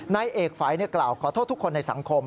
นายเอกฝัยกล่าวขอโทษทุกคนในสังคม